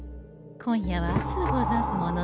今夜は暑うござんすものね。